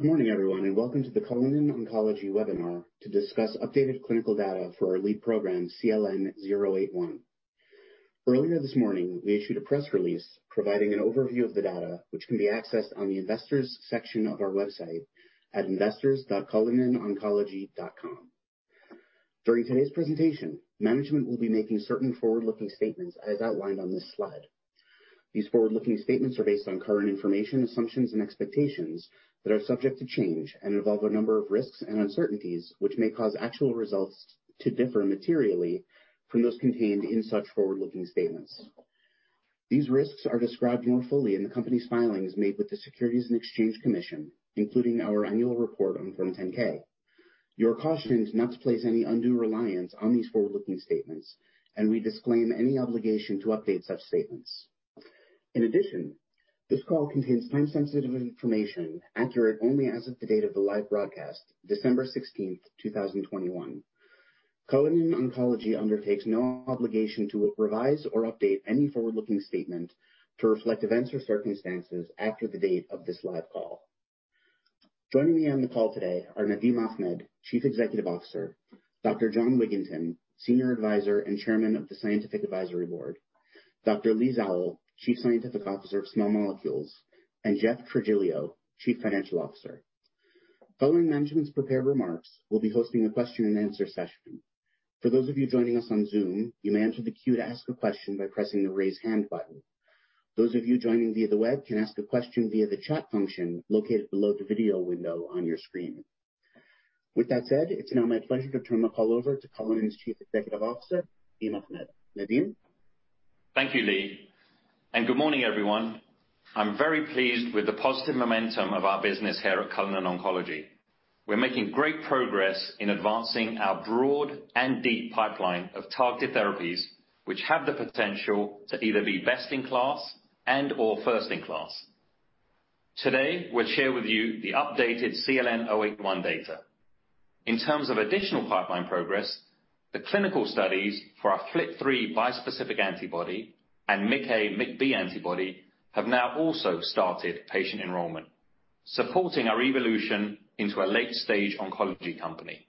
Good morning, everyone, and welcome to the Cullinan Oncology webinar to discuss updated clinical data for our lead program, CLN-081. Earlier this morning, we issued a press release providing an overview of the data which can be accessed on the investors section of our website at investors.cullinantherapeutics.com. During today's presentation, management will be making certain forward-looking statements as outlined on this slide. These forward-looking statements are based on current information, assumptions and expectations that are subject to change and involve a number of risks and uncertainties which may cause actual results to differ materially from those contained in such forward-looking statements. These risks are described more fully in the company's filings made with the Securities and Exchange Commission, including our annual report on Form 10-K. You are cautioned not to place any undue reliance on these forward-looking statements, and we disclaim any obligation to update such statements. In addition, this call contains time-sensitive information, accurate only as of the date of the live broadcast, December 16th, 2021. Cullinan Oncology undertakes no obligation to revise or update any forward-looking statement to reflect events or circumstances after the date of this live call. Joining me on the call today are Nadim Ahmed, Chief Executive Officer, Dr. Jon Wigginton, Senior Advisor and Chairman of the Scientific Advisory Board, Dr. Leigh Zawel, Chief Scientific Officer of Small Molecules, and Jeff Trigilio, Chief Financial Officer. Following management's prepared remarks, we'll be hosting a question-and-answer session. For those of you joining us on Zoom, you may enter the queue to ask a question by pressing the Raise Hand button. Those of you joining via the web can ask a question via the chat function located below the video window on your screen. With that said, it's now my pleasure to turn the call over to Cullinan's Chief Executive Officer, Nadim Ahmed. Nadim? Thank you, Leigh, and good morning, everyone. I'm very pleased with the positive momentum of our business here at Cullinan Oncology. We're making great progress in advancing our broad and deep pipeline of targeted therapies which have the potential to either be best in class and/or first in class. Today, we'll share with you the updated CLN-081 data. In terms of additional pipeline progress, the clinical studies for our FLT3 bispecific antibody and MICA/MICB antibody have now also started patient enrollment, supporting our evolution into a late-stage oncology company.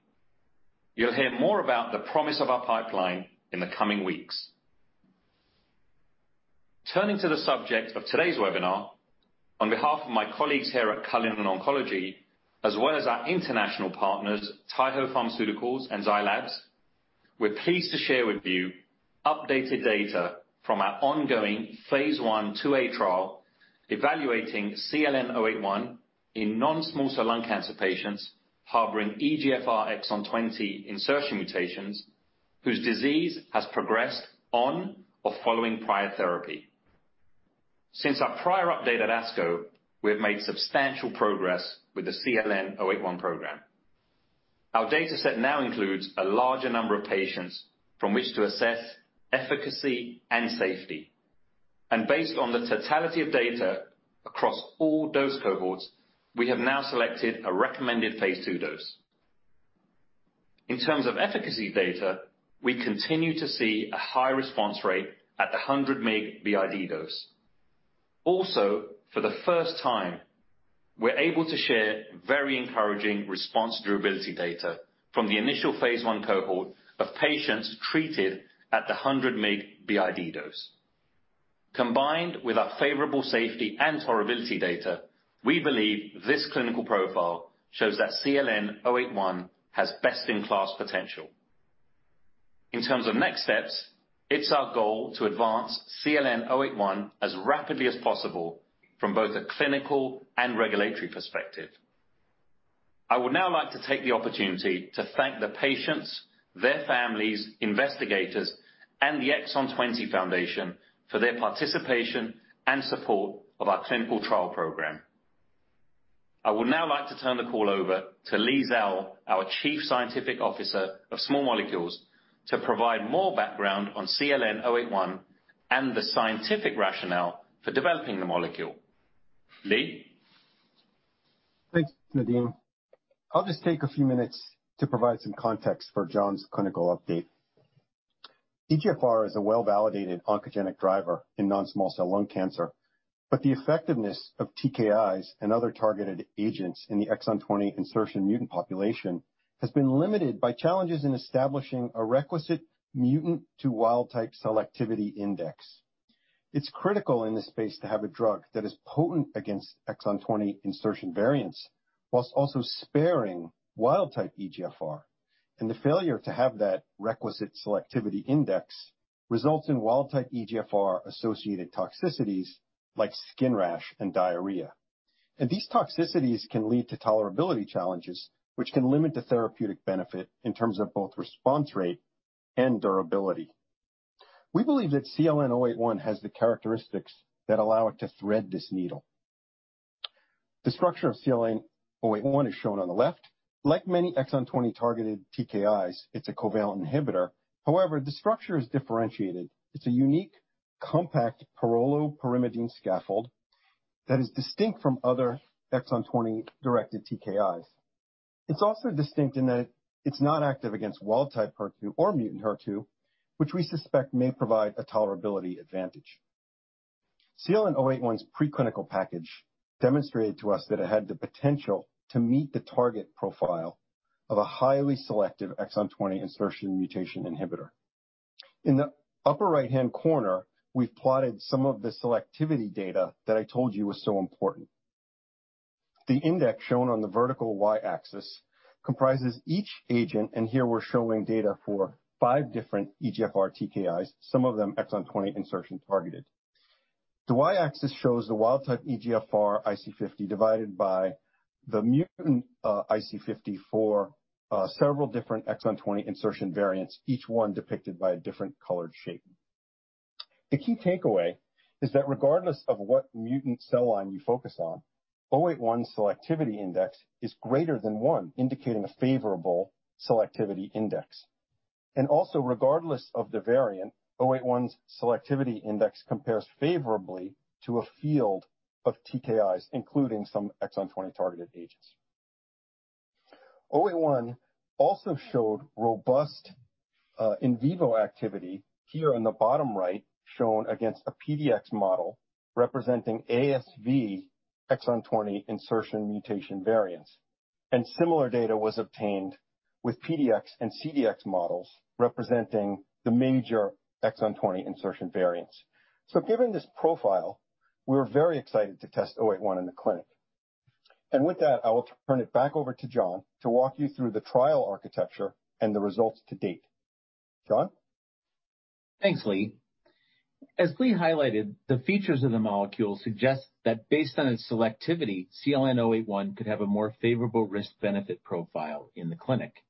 You'll hear more about the promise of our pipeline in the coming weeks. Turning to the subject of today's webinar, on behalf of my colleagues here at Cullinan Oncology, as well as our international partners, Taiho Pharmaceutical and Zai Lab, we're pleased to share with you updated data from our ongoing phase I/IIa trial evaluating CLN-081 in non-small cell lung cancer patients harboring EGFR exon 20 insertion mutations whose disease has progressed on or following prior therapy. Since our prior update at ASCO, we have made substantial progress with the CLN-081 program. Our dataset now includes a larger number of patients from which to assess efficacy and safety. Based on the totality of data across all dose cohorts, we have now selected a recommended phase II dose. In terms of efficacy data, we continue to see a high response rate at the 100 mg BID dose. For the first time, we're able to share very encouraging response durability data from the initial phase I cohort of patients treated at the 100 mg BID dose. Combined with our favorable safety and tolerability data, we believe this clinical profile shows that CLN-081 has best-in-class potential. In terms of next steps, it's our goal to advance CLN-081 as rapidly as possible from both a clinical and regulatory perspective. I would now like to take the opportunity to thank the patients, their families, investigators, and the Exon 20 Foundation for their participation and support of our clinical trial program. I would now like to turn the call over to Leigh Zawel, our Chief Scientific Officer of Small Molecules, to provide more background on CLN-081 and the scientific rationale for developing the molecule. Leigh? Thanks, Nadim. I'll just take a few minutes to provide some context for Jon's clinical update. EGFR is a well-validated oncogenic driver in non-small cell lung cancer, but the effectiveness of TKIs and other targeted agents in the exon 20 insertion mutant population has been limited by challenges in establishing a requisite mutant to wild-type selectivity index. It's critical in this space to have a drug that is potent against exon 20 insertion variants while also sparing wild-type EGFR. The failure to have that requisite selectivity index results in wild-type EGFR-associated toxicities like skin rash and diarrhea. These toxicities can lead to tolerability challenges which can limit the therapeutic benefit in terms of both response rate and durability. We believe that CLN-081 has the characteristics that allow it to thread this needle. The structure of CLN-081 is shown on the left. Like many exon 20-targeted TKIs, it's a covalent inhibitor. However, the structure is differentiated. It's a unique compact pyrrolopyrimidine scaffold that is distinct from other exon 20-directed TKIs. It's also distinct in that it's not active against wild type HER2 or mutant HER2, which we suspect may provide a tolerability advantage. CLN-081's preclinical package demonstrated to us that it had the potential to meet the target profile of a highly selective exon 20 insertion mutation inhibitor. In the upper right-hand corner, we've plotted some of the selectivity data that I told you was so important. The index shown on the vertical Y-axis comprises each agent, and here we're showing data for five different EGFR TKIs, some of them exon 20 insertion targeted. The Y-axis shows the wild-type EGFR IC50 divided by the mutant IC50 for several different exon 20 insertion variants, each one depicted by a different colored shape. The key takeaway is that regardless of what mutant cell line you focus on, 081 selectivity index is greater than one, indicating a favorable selectivity index. Also, regardless of the variant, 081's selectivity index compares favorably to a field of TKIs, including some exon 20 targeted agents. 081 also showed robust in vivo activity here in the bottom right, shown against a PDX model representing ASV exon 20 insertion mutation variants. Similar data was obtained with PDX and CDX models representing the major exon 20 insertion variants. Given this profile, we're very excited to test 081 in the clinic. With that, I will turn it back over to Jon to walk you through the trial architecture and the results to date. Jon? Thanks, Leigh. As Leigh highlighted, the features of the molecule suggest that based on its selectivity, CLN-081 could have a more favorable risk-benefit profile in the clinic.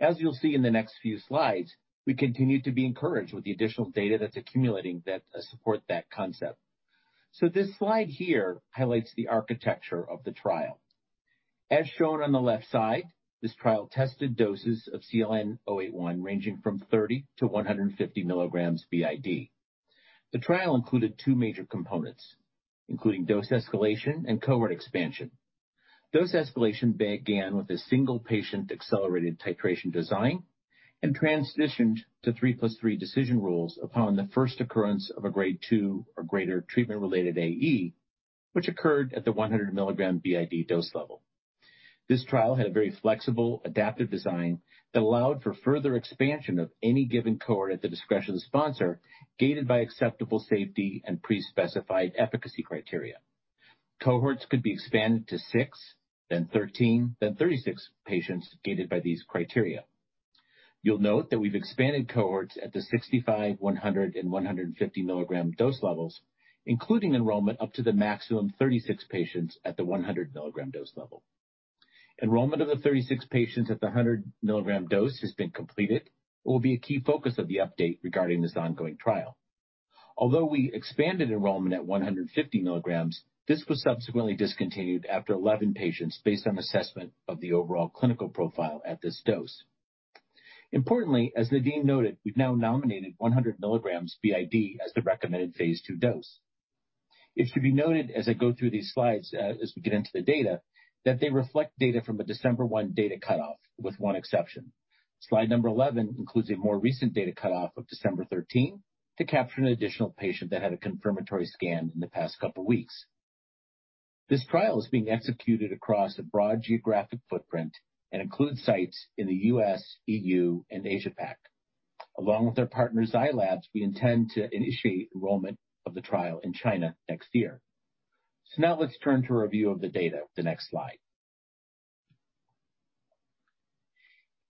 As you'll see in the next few slides, we continue to be encouraged with the additional data that's accumulating that support that concept. This slide here highlights the architecture of the trial. As shown on the left side, this trial tested doses of CLN-081 ranging from 30-150 mg BID. The trial included two major components, including dose escalation and cohort expansion. Dose escalation began with a single-patient accelerated titration design and transitioned to 3+3 decision rules upon the first occurrence of a grade two or greater treatment-related AE, which occurred at the 100 mg BID dose level. This trial had a very flexible, adaptive design that allowed for further expansion of any given cohort at the discretion of the sponsor, gated by acceptable safety and pre-specified efficacy criteria. Cohorts could be expanded to six, then 13, then 36 patients gated by these criteria. You'll note that we've expanded cohorts at the 65 mg, 100 mg, and 150 mg dose levels, including enrollment up to the maximum 36 patients at the 100 mg dose level. Enrollment of the 36 patients at the 100 mg dose has been completed and will be a key focus of the update regarding this ongoing trial. Although we expanded enrollment at 150 mg, this was subsequently discontinued after 11 patients based on assessment of the overall clinical profile at this dose. Importantly, as Nadim noted, we've now nominated 100 mg BID as the recommended phase II dose. It should be noted as I go through these slides, as we get into the data, that they reflect data from a December 1 data cutoff, with one exception. Slide number 11 includes a more recent data cutoff of December 13 to capture an additional patient that had a confirmatory scan in the past couple weeks. This trial is being executed across a broad geographic footprint and includes sites in the U.S., EU, and Asia Pac. Along with our partner Zai Lab, we intend to initiate enrollment of the trial in China next year. Now let's turn to a review of the data, the next slide.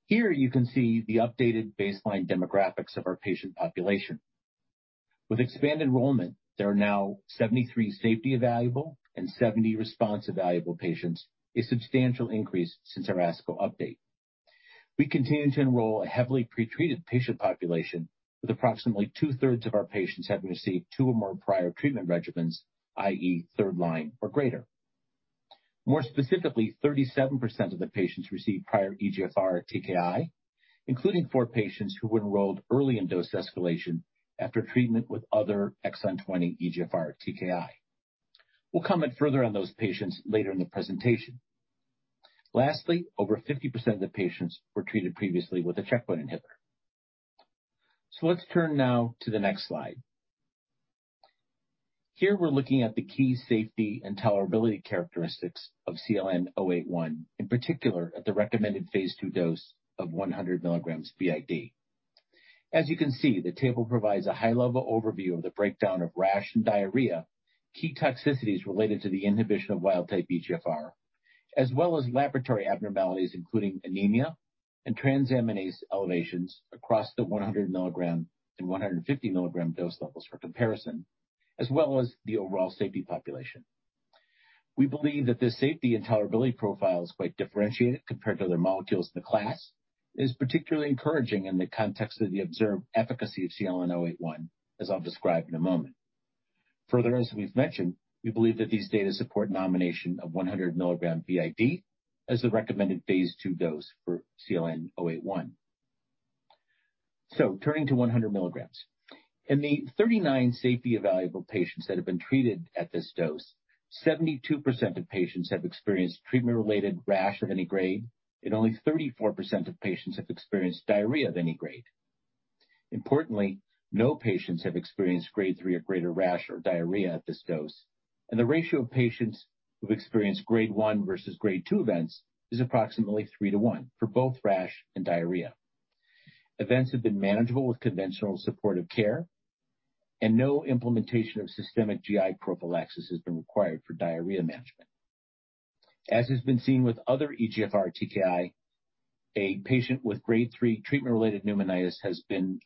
Here you can see the updated baseline demographics of our patient population. With expanded enrollment, there are now 73 safety evaluable and 70 response evaluable patients, a substantial increase since our ASCO update. We continue to enroll a heavily pretreated patient population, with approximately 2/3 of our patients having received two or more prior treatment regimens, i.e., third line or greater. More specifically, 37% of the patients received prior EGFR TKI, including four patients who enrolled early in dose escalation after treatment with other exon 20 EGFR TKI. We'll comment further on those patients later in the presentation. Lastly, over 50% of the patients were treated previously with a checkpoint inhibitor. Let's turn now to the next slide. Here we're looking at the key safety and tolerability characteristics of CLN-081, in particular at the recommended phase II dose of 100 mg BID. As you can see, the table provides a high-level overview of the breakdown of rash and diarrhea, key toxicities related to the inhibition of wild-type EGFR, as well as laboratory abnormalities, including anemia and transaminase elevations across the 100 mg and 150 mg dose levels for comparison, as well as the overall safety population. We believe that the safety and tolerability profile is quite differentiated compared to other molecules in the class, and is particularly encouraging in the context of the observed efficacy of CLN-081, as I'll describe in a moment. Further, as we've mentioned, we believe that these data support nomination of 100 mg BID as the recommended phase II dose for CLN-081. Turning to 100 mg. In the 39 safety evaluable patients that have been treated at this dose, 72% of patients have experienced treatment-related rash of any grade, and only 34% of patients have experienced diarrhea of any grade. Importantly, no patients have experienced grade three or greater rash or diarrhea at this dose, and the ratio of patients who've experienced grade one versus grade two events is approximately three to one for both rash and diarrhea. Events have been manageable with conventional supportive care, and no implementation of systemic GI prophylaxis has been required for diarrhea management. As has been seen with other EGFR TKI, a patient with grade three treatment-related pneumonitis has been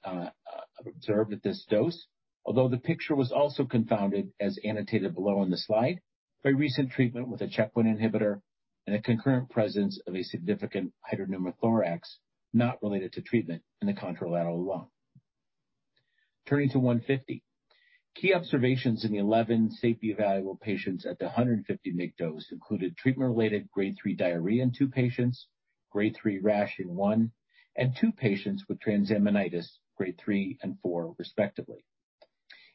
observed at this dose. Although the picture was also confounded, as annotated below on the slide, by recent treatment with a checkpoint inhibitor and a concurrent presence of a significant hydropneumothorax not related to treatment in the contralateral lung. Turning to 150 mg. Key observations in the 11 safety evaluable patients at the 150 mg dose included treatment-related grade three diarrhea in two patients, grade three rash in one, and two patients with transaminitis, grade three and four, respectively.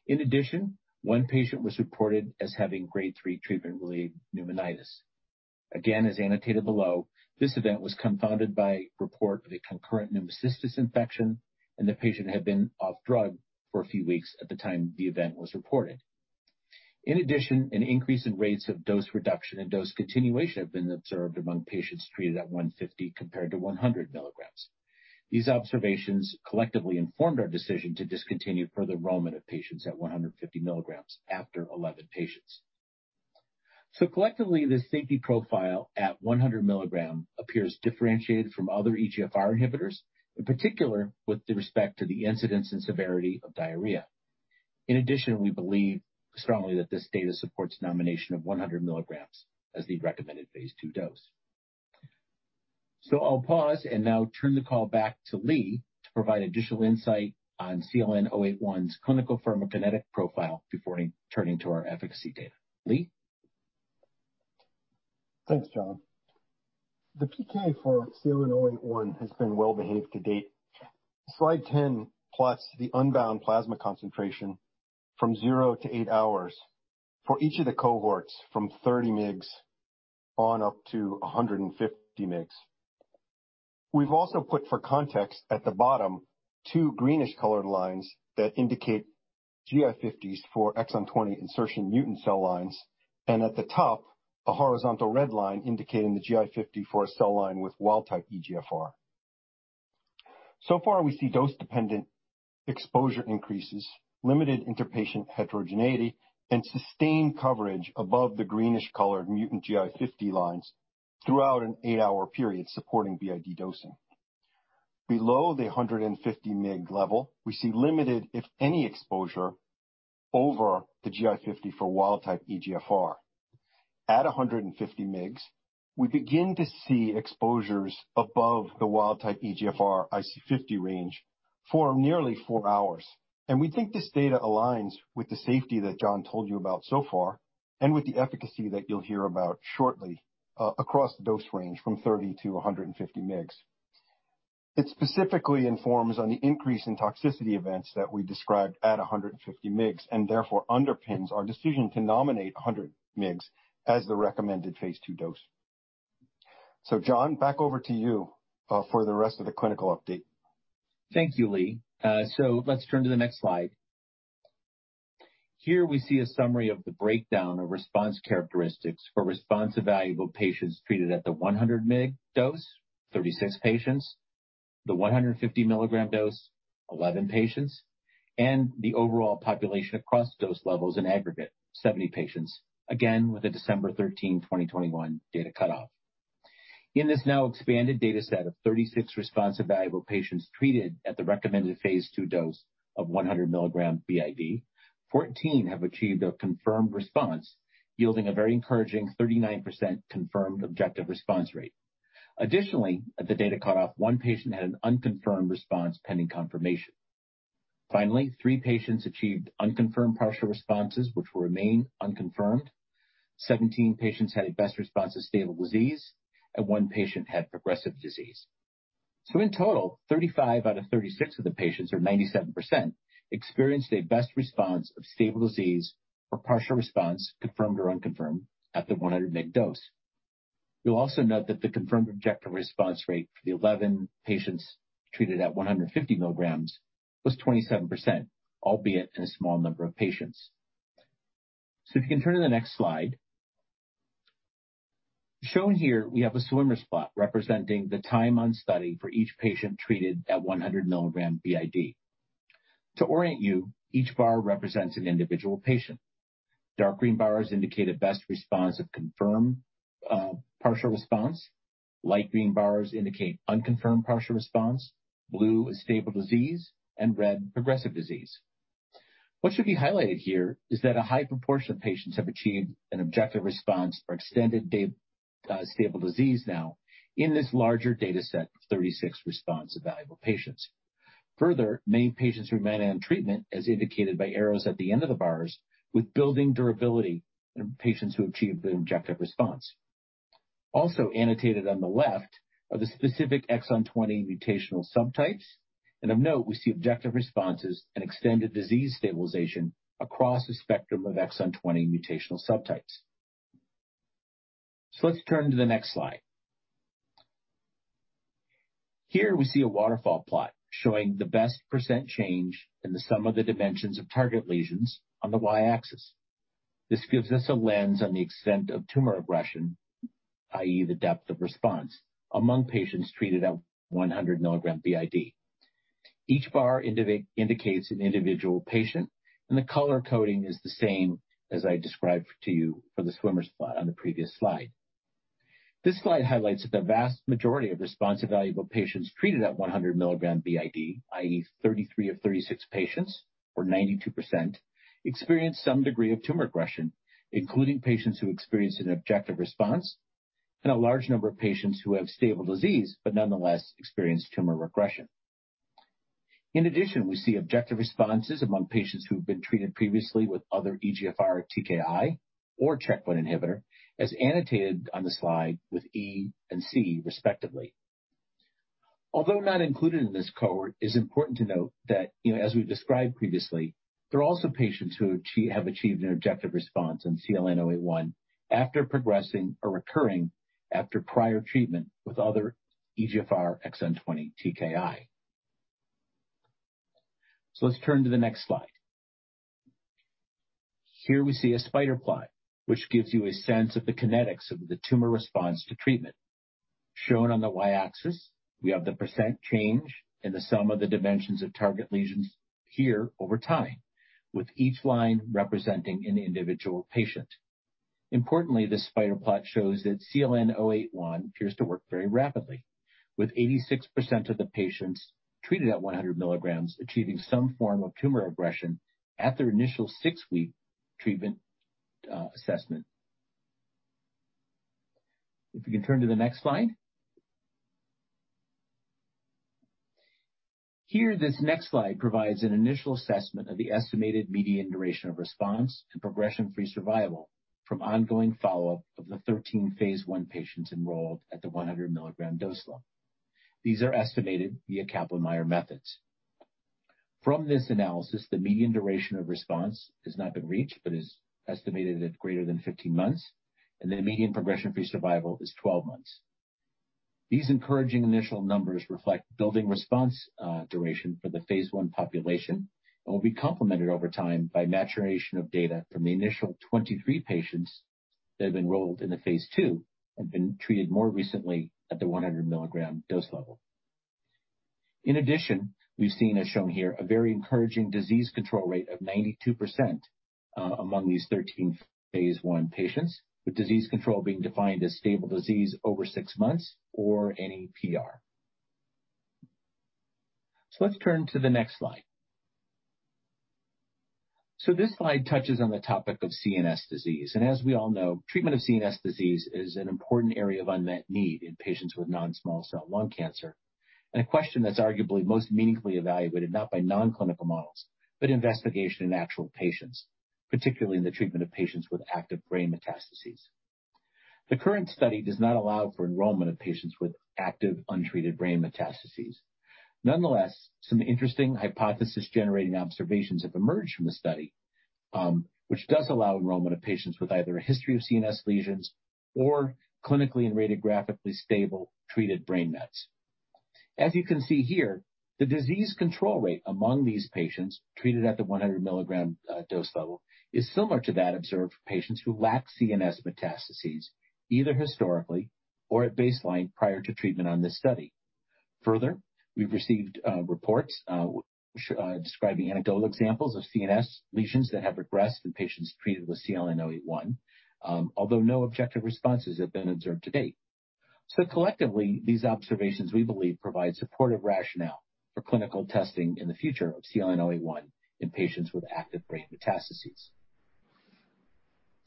In addition, one patient was reported as having grade three treatment-related pneumonitis. Again, as annotated below, this event was confounded by report of a concurrent pneumocystis infection, and the patient had been off drug for a few weeks at the time the event was reported. In addition, an increase in rates of dose reduction and dose continuation have been observed among patients treated at 150 mg compared to 100 mg. These observations collectively informed our decision to discontinue further enrollment of patients at 150 mg after 11 patients. Collectively, the safety profile at 100 mg appears differentiated from other EGFR inhibitors, in particular, with respect to the incidence and severity of diarrhea. In addition, we believe strongly that this data supports nomination of 100 mg as the recommended phase II dose. I'll pause and now turn the call back to Leigh to provide additional insight on CLN-081's clinical pharmacokinetic profile before turning to our efficacy data. Leigh? Thanks, Jon. The PK for CLN-081 has been well-behaved to date. Slide 10 plots the unbound plasma concentration from zero to eight hours for each of the cohorts from 30 mg on up to 150 mg. We've also put for context at the bottom two greenish colored lines that indicate GI50s for exon 20 insertion mutant cell lines, and at the top, a horizontal red line indicating the GI50 for a cell line with wild-type EGFR. So far we see dose-dependent exposure increases, limited interpatient heterogeneity, and sustained coverage above the greenish colored mutant GI50 lines throughout an 8-hour period supporting BID dosing. Below the 150 mg level, we see limited, if any, exposure over the GI50 for wild-type EGFR. At 150 mg, we begin to see exposures above the wild-type EGFR IC50 range for nearly four hours. We think this data aligns with the safety that Jon told you about so far and with the efficacy that you'll hear about shortly, across the dose range from 30 mg-150 mg. It specifically informs on the increase in toxicity events that we described at 150 mg and therefore underpins our decision to nominate 100 mg as the recommended phase II dose. Jon, back over to you for the rest of the clinical update. Thank you, Leigh. Let's turn to the next slide. Here we see a summary of the breakdown of response characteristics for response evaluable patients treated at the 100 mg dose, 36 patients, the 150 mg dose, 11 patients, and the overall population across dose levels in aggregate, 70 patients. Again, with a December 13, 2021 data cutoff. In this now expanded data set of 36 response evaluable patients treated at the recommended phase II dose of 100 mg BID, 14 have achieved a confirmed response, yielding a very encouraging 39% confirmed objective response rate. Additionally, at the data cutoff, one patient had an unconfirmed response pending confirmation. Finally, three patients achieved unconfirmed partial responses which will remain unconfirmed. 17 patients had a best response to stable disease, and one patient had progressive disease. In total, 35 out of 36 of the patients, or 97%, experienced a best response of stable disease or partial response, confirmed or unconfirmed, at the 100 mg dose. You'll also note that the confirmed objective response rate for the 11 patients treated at 150 mg was 27%, albeit in a small number of patients. If you can turn to the next slide. Shown here we have a swimmer's plot representing the time on study for each patient treated at 100 mg BID. To orient you, each bar represents an individual patient. Dark green bars indicate a best response of confirmed partial response. Light green bars indicate unconfirmed partial response. Blue is stable disease and red progressive disease. What should be highlighted here is that a high proportion of patients have achieved an objective response or extended stable disease now in this larger data set of 36 response evaluable patients. Further, many patients remain on treatment, as indicated by arrows at the end of the bars, with building durability in patients who achieved an objective response. Also annotated on the left are the specific exon 20 mutational subtypes. Of note, we see objective responses and extended disease stabilization across the spectrum of exon 20 mutational subtypes. Let's turn to the next slide. Here we see a waterfall plot showing the best percent change in the sum of the dimensions of target lesions on the Y-axis. This gives us a lens on the extent of tumor regression, i.e., the depth of response among patients treated at 100 mg BID. Each bar indicates an individual patient, and the color coding is the same as I described to you for the Swimmer's plot on the previous slide. This slide highlights that the vast majority of response evaluable patients treated at 100 mg BID, i.e., 33 of 36 patients, or 92%, experienced some degree of tumor regression, including patients who experienced an objective response and a large number of patients who have stable disease, but nonetheless experienced tumor regression. In addition, we see objective responses among patients who've been treated previously with other EGFR TKI or checkpoint inhibitor, as annotated on the slide with E and C respectively. Although not included in this cohort, it's important to note that, you know, as we've described previously, there are also patients who have achieved an objective response in CLN-081 after progressing or recurring after prior treatment with other EGFR exon 20 TKI. Let's turn to the next slide. Here we see a spider plot, which gives you a sense of the kinetics of the tumor response to treatment. Shown on the Y-axis, we have the percent change in the sum of the dimensions of target lesions here over time, with each line representing an individual patient. Importantly, this spider plot shows that CLN-081 appears to work very rapidly, with 86% of the patients treated at 100 mg achieving some form of tumor regression at their initial six-week treatment assessment. If you can turn to the next slide. Here, this next slide provides an initial assessment of the estimated median duration of response to progression-free survival from ongoing follow-up of the 13 phase I patients enrolled at the 100 mg dose level. These are estimated via Kaplan-Meier methods. From this analysis, the median duration of response has not been reached but is estimated at greater than 15 months, and the median progression-free survival is 12 months. These encouraging initial numbers reflect building response duration for the phase I population and will be complemented over time by maturation of data from the initial 23 patients that have enrolled in the phase II and been treated more recently at the 100 mg dose level. In addition, we've seen, as shown here, a very encouraging disease control rate of 92%, among these 13 phase I patients, with disease control being defined as stable disease over six months or any PR. Let's turn to the next slide. This slide touches on the topic of CNS disease. As we all know, treatment of CNS disease is an important area of unmet need in patients with non-small cell lung cancer. A question that's arguably most meaningfully evaluated, not by non-clinical models, but by investigation in actual patients, particularly in the treatment of patients with active brain metastases. The current study does not allow for enrollment of patients with active untreated brain metastases. Nonetheless, some interesting hypothesis-generating observations have emerged from the study, which does allow enrollment of patients with either a history of CNS lesions or clinically and radiographically stable treated brain mets. As you can see here, the disease control rate among these patients treated at the 100 mg dose level is similar to that observed for patients who lack CNS metastases, either historically or at baseline prior to treatment on this study. Further, we've received reports describing anecdotal examples of CNS lesions that have regressed in patients treated with CLN-081, although no objective responses have been observed to date. Collectively, these observations, we believe, provide supportive rationale for clinical testing in the future of CLN-081 in patients with active brain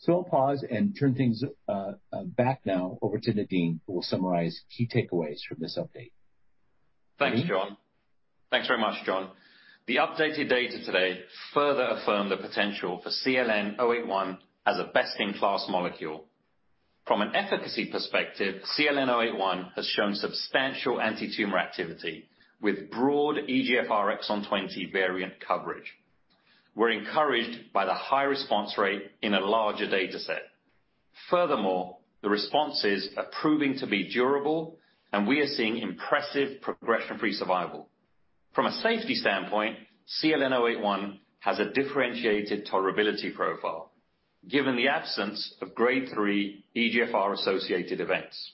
mets. I'll pause and turn things back now over to Nadim, who will summarize key takeaways from this update. Nadim? Thanks, Jon. Thanks very much, Jon. The updated data today further affirm the potential for CLN-081 as a best-in-class molecule. From an efficacy perspective, CLN-081 has shown substantial antitumor activity with broad EGFR exon 20 variant coverage. We're encouraged by the high response rate in a larger data set. Furthermore, the responses are proving to be durable, and we are seeing impressive progression-free survival. From a safety standpoint, CLN-081 has a differentiated tolerability profile given the absence of grade three EGFR-associated events.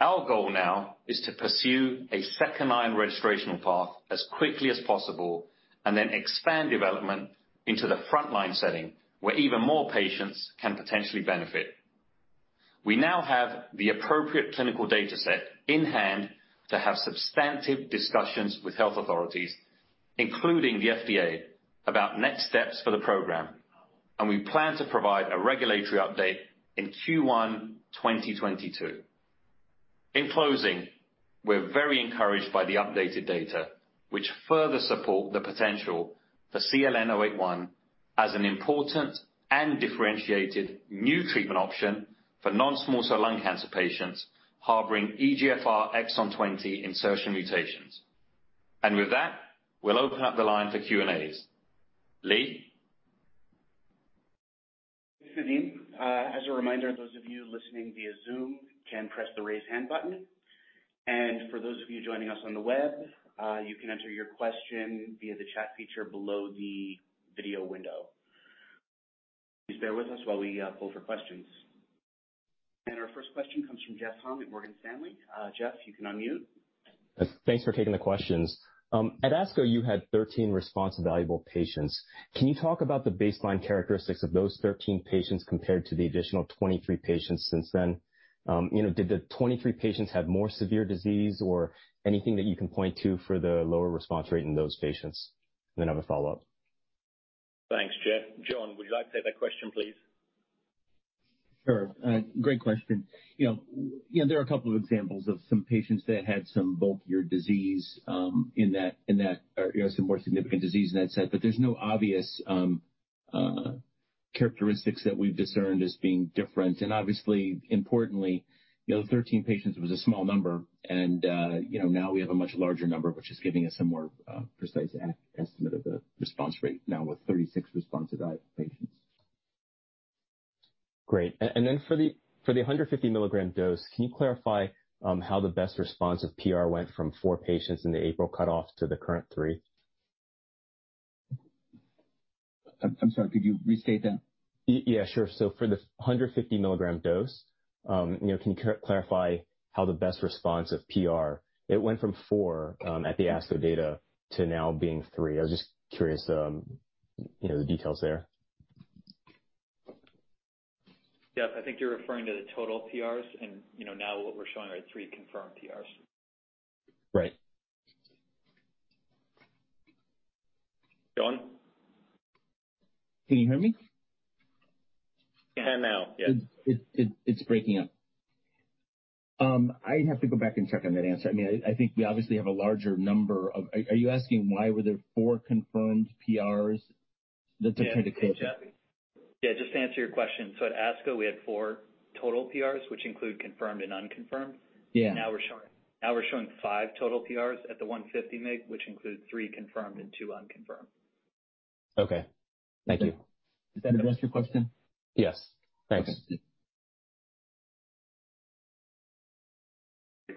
Our goal now is to pursue a second-line registrational path as quickly as possible and then expand development into the frontline setting where even more patients can potentially benefit. We now have the appropriate clinical data set in-hand to have substantive discussions with health authorities, including the FDA, about next steps for the program, and we plan to provide a regulatory update in Q1 2022. In closing, we're very encouraged by the updated data, which further support the potential for CLN-081 as an important and differentiated new treatment option for non-small cell lung cancer patients harboring EGFR exon 20 insertion mutations. With that, we'll open up the line for Q&As. Leigh? Thanks, Nadim. As a reminder, those of you listening via Zoom can press the Raise Hand button. For those of you joining us on the web, you can enter your question via the chat feature below the video window. Please bear with us while we pull for questions. Our first question comes from Jeff Hung at Morgan Stanley. Jeff, you can unmute. Thanks for taking the questions. At ASCO, you had 13 response-evaluable patients. Can you talk about the baseline characteristics of those 13 patients compared to the additional 23 patients since then? You know, did the 23 patients have more severe disease or anything that you can point to for the lower response rate in those patients? I have a follow-up. Thanks, Jeff. Jon, would you like to take that question, please? Sure. Great question. You know, there are a couple of examples of some patients that had some bulkier disease in that, you know, some more significant disease in that set, but there's no obvious characteristics that we've discerned as being different. Obviously, importantly, you know, the 13 patients was a small number and, you know, now we have a much larger number, which is giving us a more precise estimate of the response rate now with 36 responsive patients. Great. For the 150 mg dose, can you clarify how the best response of PR went from four patients in the April cutoff to the current three? I'm sorry, could you restate that? Yeah, sure. For the 150 mg dose, you know, can you clarify how the best response of PR went from four at the ASCO data to now being three. I was just curious, you know, the details there. Jeff, I think you're referring to the total PRs and, you know, now what we're showing are three confirmed PRs. Right. Jon? Can you hear me? Can now, yes. It's breaking up. I have to go back and check on that answer. I mean, I think we obviously have a larger number of. Are you asking why were there four confirmed PRs that took to- Yeah. Just to answer your question. At ASCO, we had four total PRs, which include confirmed and unconfirmed. Yeah. We're showing five total PRs at the 150 mg, which includes three confirmed and two unconfirmed. Okay. Thank you. Does that address your question? Yes. Thanks. Okay.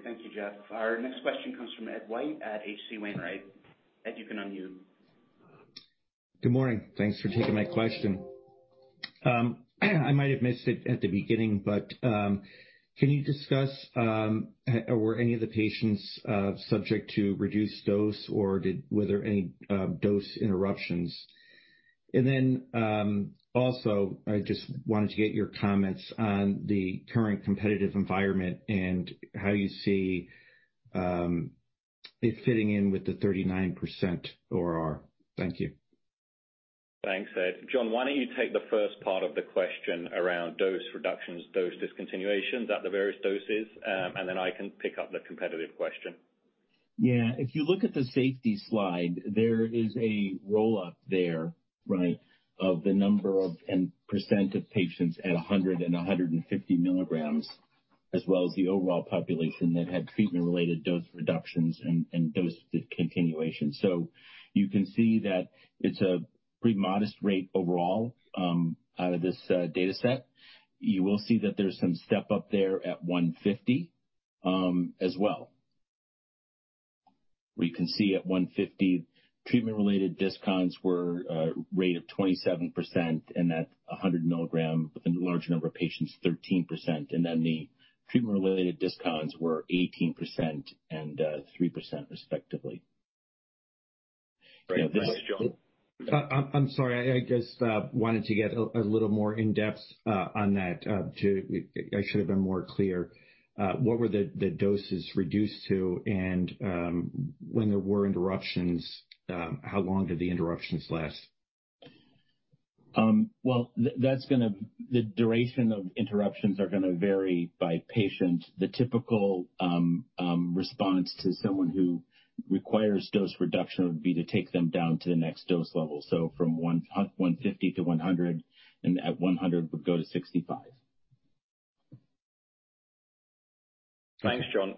Thank you, Jeff. Our next question comes from Ed White at H.C. Wainwright. Ed, you can unmute. Good morning. Thanks for taking my question. I might have missed it at the beginning, but can you discuss were any of the patients subject to reduced dose or were there any dose interruptions? Also, I just wanted to get your comments on the current competitive environment and how you see it fitting in with the 39% ORR. Thank you. Thanks, Ed. Jon, why don't you take the first part of the question around dose reductions, dose discontinuations at the various doses, and then I can pick up the competitive question. If you look at the safety slide, there is a roll-up there, right, of the number of, and percent of patients at 100 mg and 150 mg, as well as the overall population that had treatment-related dose reductions and dose discontinuations. You can see that it's a pretty modest rate overall out of this data set. You will see that there's some step up there at 150 mg, as well. Where you can see at 150 mg, treatment-related discontinuations were a rate of 27%, and at 100 mg, but then the larger number of patients, 13%. The treatment-related discontinuations were 18% and 3% respectively. Right. Thanks, John. I'm sorry. I just wanted to get a little more in-depth on that. I should have been more clear. What were the doses reduced to and when there were interruptions, how long did the interruptions last? Well, the duration of interruptions are gonna vary by patient. The typical response to someone who requires dose reduction would be to take them down to the next dose level. From 150 mg to 100 mg and at 100 mg would go to 65 mg. Thanks, Jon.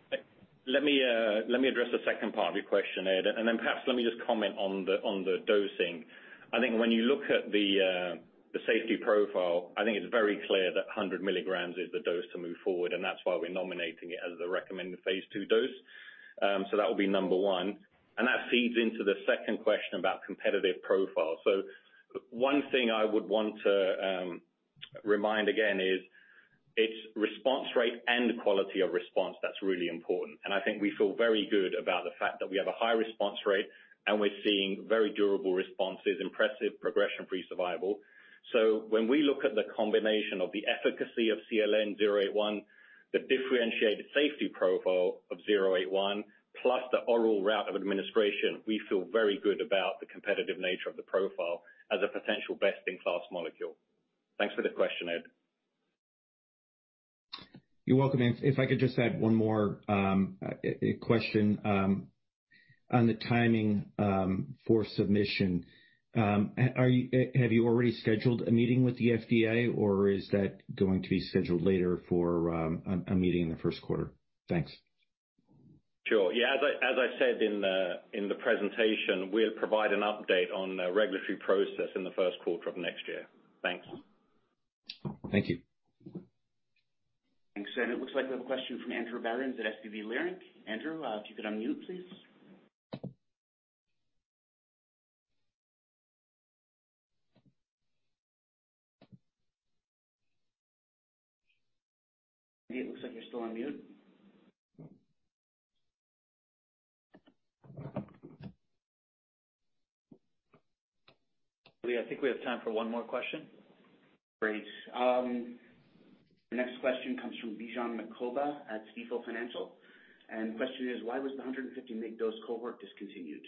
Let me address the second part of your question, Ed, and then perhaps let me just comment on the dosing. I think when you look at the safety profile, I think it's very clear that 100 mg is the dose to move forward, and that's why we're nominating it as the recommended phase II dose. So that would be number one. That feeds into the second question about competitive profile. One thing I would want to remind again is it's response rate and quality of response that's really important. I think we feel very good about the fact that we have a high response rate, and we're seeing very durable responses, impressive progression-free survival. When we look at the combination of the efficacy of CLN-081, the differentiated safety profile of CLN-081, plus the oral route of administration, we feel very good about the competitive nature of the profile as a potential best-in-class molecule. Thanks for the question, Ed. You're welcome. If I could just add one more question on the timing for submission. Have you already scheduled a meeting with the FDA, or is that going to be scheduled later for a meeting in the first quarter? Thanks. Sure. Yeah, as I said in the presentation, we'll provide an update on the regulatory process in the first quarter of next year. Thanks. Thank you. Thanks. It looks like we have a question from Andrew Berens at SVB Leerink. Andrew, if you could unmute, please. It looks like you're still on mute. Leigh, I think we have time for one more question. Great. The next question comes from Bijan Mekoba at Stifel Financial. The question is, why was the 150 mg dose cohort discontinued?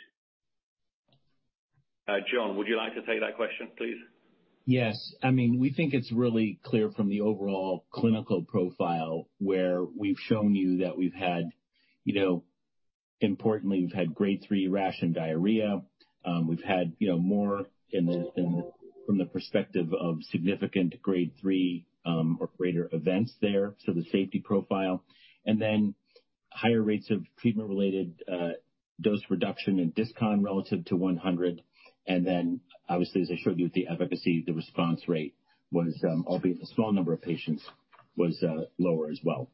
Jon, would you like to take that question, please? Yes. I mean, we think it's really clear from the overall clinical profile where we've shown you that we've had, you know, importantly, we've had grade three rash and diarrhea. We've had, you know, more from the perspective of significant grade three or greater events there. The safety profile. Higher rates of treatment-related dose reduction and discon relative to 100 mg. Obviously, as I showed you with the efficacy, the response rate was, albeit a small number of patients, lower as well.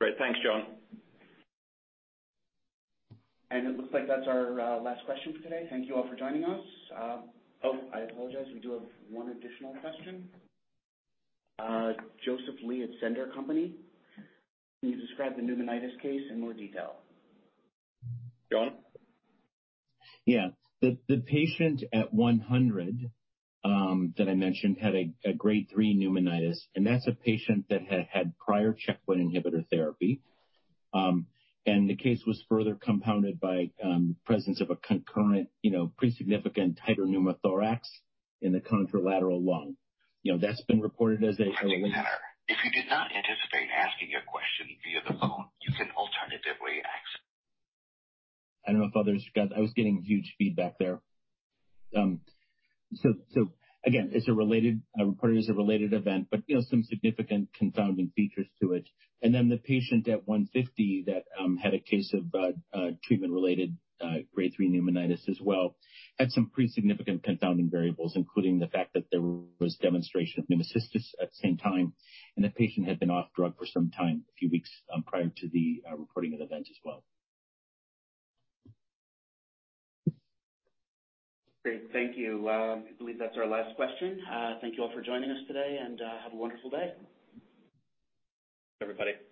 Great. Thanks, Jon. It looks like that's our last question for today. Thank you all for joining us. I apologize. We do have one additional question. Joseph Lee at Sender Company. Can you describe the pneumonitis case in more detail? Jon? Yeah. The patient at 100 mg that I mentioned had a grade three pneumonitis, and that's a patient that had prior checkpoint inhibitor therapy. The case was further compounded by presence of a concurrent, you know, pretty significant hydropneumothorax in the contralateral lung. You know, that's been reported as a- If you did not anticipate asking your question via the phone, you can alternatively access- I don't know if others got. I was getting huge feedback there. Again, it's a related, reported as a related event, but you know, some significant confounding features to it. Then the patient at 150 mg that had a case of treatment-related grade three pneumonitis as well had some pretty significant confounding variables, including the fact that there was demonstration of pneumocystis at the same time, and the patient had been off drug for some time, a few weeks, prior to the reporting of events as well. Great. Thank you. I believe that's our last question. Thank you all for joining us today, and have a wonderful day. Thanks, everybody.